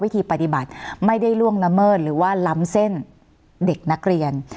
วิธีปฏิบัติไม่ได้ล่วงละเมิดหรือว่าล้ำเส้นเด็กนักเรียน